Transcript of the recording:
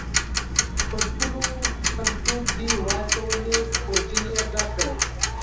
په ښکلو خلطو کې واچولې، خورجین یې ډکه کړه